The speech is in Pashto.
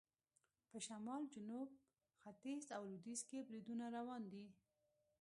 په شمال، جنوب، ختیځ او لویدیځ کې بریدونه روان دي.